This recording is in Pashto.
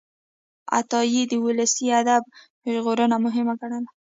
عطایي د ولسي ادب ژغورنه مهمه ګڼله.